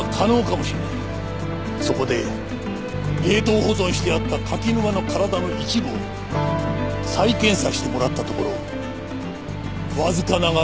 そこで冷凍保存してあった柿沼の体の一部を再検査してもらったところわずかながら